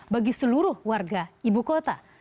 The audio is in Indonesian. bagi seluruh warga ibu kota